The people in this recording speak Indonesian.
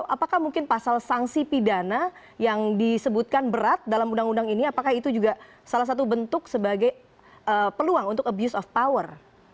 apakah mungkin pasal sanksi pidana yang disebutkan berat dalam undang undang ini apakah itu juga salah satu bentuk sebagai peluang untuk abuse of power